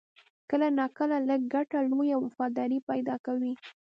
کله ناکله لږ ګټه، لویه وفاداري پیدا کوي.